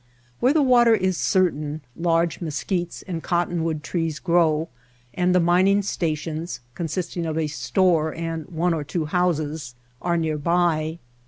Where the water is certain large mesquites and Cottonwood trees grow and the mining stations, consisting of a store and one or two houses, are nearby.